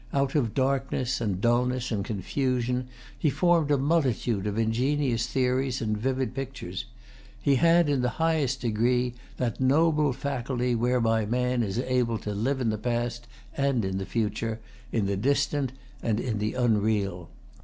Out of darkness, and dulness, and confusion, he formed a multitude of ingenious theories and vivid pictures. He had, in the highest degree, that noble faculty whereby man is able to live in the past and in the future, in the distant and in the unreal.